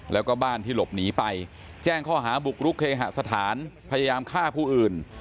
แล้วก็บ้านที่หลบหนีไปแจ้งข้อหาบุกรุกเคหสถานพยายามฆ่าผู้อื่น